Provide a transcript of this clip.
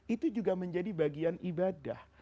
itu juga menjadi bagian ibadah